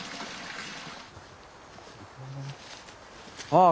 ああ